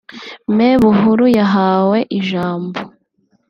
Me Buhuru yahawe ijambo